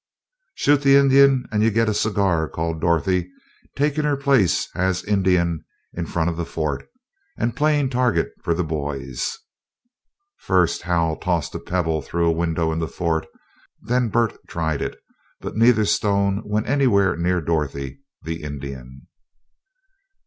"Shoot the Indian and you get a cigar," called Dorothy, taking her place as "Indian" in front of the fort, and playing target for the boys. First Hal tossed a pebble through a window in the fort, then Bert tried it, but neither stone went anywhere near Dorothy, the "Indian."